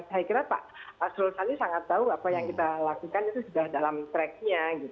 saya kira pak solosani sangat tahu apa yang kita lakukan itu sudah dalam track nya